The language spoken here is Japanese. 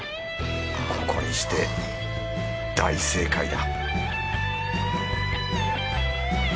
ここにして大正解だ